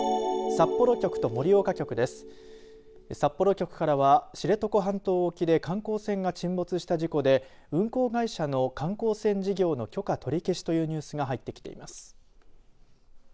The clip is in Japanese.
札幌局からは知床半島沖で観光船が沈没した事故で運航会社の観光船事業の許可取り消しというニュースが入ってきています。